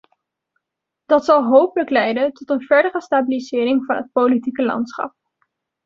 Dat zal hopelijk leiden tot een verdere stabilisering van het politieke landschap.